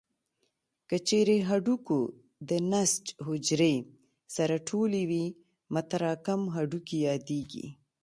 که چیرې هډوکو د نسج حجرې سره ټولې وي متراکم هډوکي یادېږي.